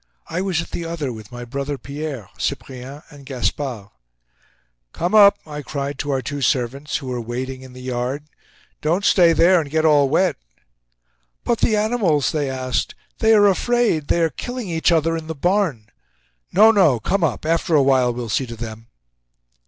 I was at the other, with my brother Pierre, Cyprien and Gaspard. "Come up!" I cried to our two servants, who were wading in the yard. "Don't stay there and get all wet." "But the animals?" they asked. "They are afraid. They are killing each other in the barn." "No, no; come up! After a while we'll see to them."